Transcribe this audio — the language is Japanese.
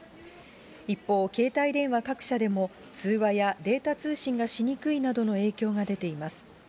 一方、携帯電話各社でも、通話やデータ通信がしにくいなどの影響が出ています。